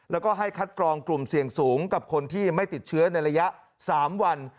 แล้วก็ให้คัดกรองกลุ่มเสี่ยงสูงกับคนที่ไม่ติดเชื้อในระยะ๓วัน